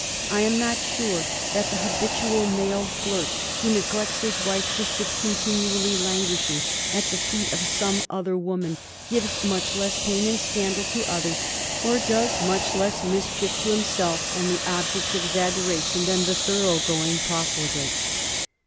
I am not sure that the habitual male flirt, who neglects his wife to sit contin ually languishing at the feet of some other woman, gives much less pain and scandal to others or does much less mischief to himself and the objects of his adoration than the thorough going profligate."